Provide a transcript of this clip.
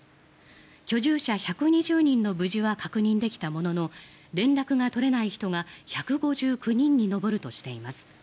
居住者１２０人の無事は確認できたものの連絡が取れない人が１５９人に上るとしています。